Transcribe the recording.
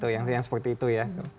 yang seperti itu ya